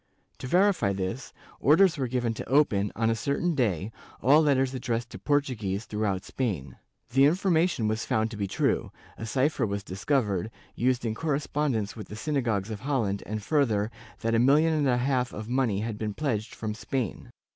To verify this, orders were given to open, on a certain day, all letters addressed to Portuguese throughout Spain, The information was found to be true; a cypher was discovered, used in correspondence with the synagogues of Holland, and further, that a million and a half of money had been pledged from Spain.